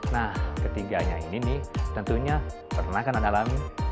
nah ketiganya ini nih tentunya pertenakan analami